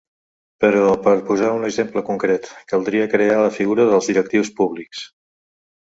Però, per posar un exemple concret, caldria crear la figura dels directius públics.